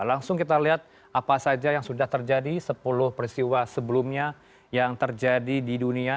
langsung kita lihat apa saja yang sudah terjadi sepuluh peristiwa sebelumnya yang terjadi di dunia